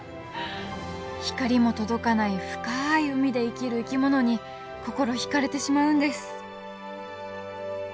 光も届かない深い海で生きる生き物に心引かれてしまうんです！